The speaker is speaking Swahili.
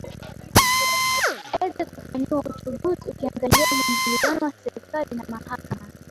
eze kufanyiwa uchuguzi ukiangalia muingiliano wa serikali na mahakama